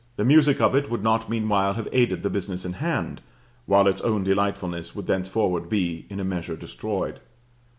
The music of it would not meanwhile have aided the business in hand, while its own delightfulness would thenceforward be in a measure destroyed.